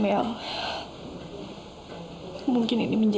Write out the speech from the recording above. kerel karelmu itu yang berartinya